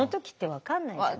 分かんない。